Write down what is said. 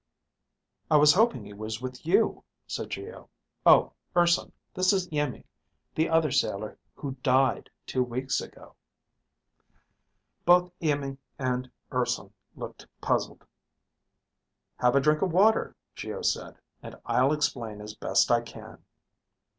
"I was hoping he was with you," said Geo. "Oh, Urson, this is Iimmi, the other sailor who died two weeks ago." Both Iimmi and Urson looked puzzled. "Have a drink of water," Geo said, "and I'll explain as best I can."